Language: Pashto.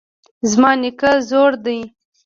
زما نیکه زوړ دی